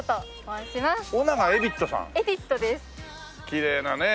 きれいなね。